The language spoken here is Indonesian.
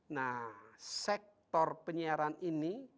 nah sektor penyiaran ini